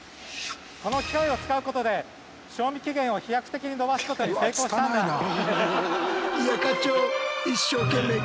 この機械を使うことで賞味期限を飛躍的に延ばすことに成功したんだ。